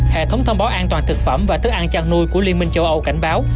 hệ thống thông báo an toàn thực phẩm và thức ăn chăn nuôi của liên minh châu âu cảnh báo